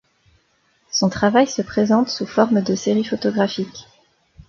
Son travail se présente sous formes de séries photographiques.